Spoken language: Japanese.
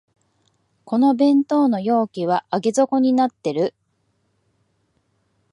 この弁当の容器は上げ底になってる